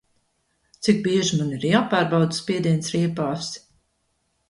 Cik bieži man ir jāpārbauda spiediens riepās?